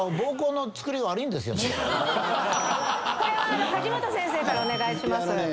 これは梶本先生からお願いします。